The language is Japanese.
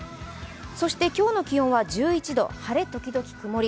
そして今日の気温は１１度、晴れ時々曇り。